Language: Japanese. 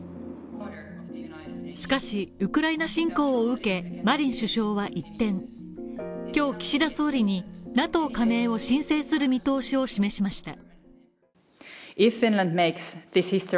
しかし、ウクライナ侵攻を受けマリン首相は一転、今日岸田総理にＮＡＴＯ加盟を申請する見通しを示しました。